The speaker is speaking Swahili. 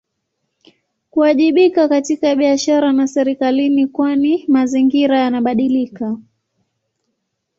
Kuwajibika katika biashara na serikalini kwani mazingira yanabadilika